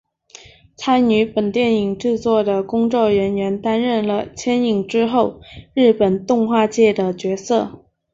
参与本电影制作的工作人员们担任了牵引之后日本动画界的角色。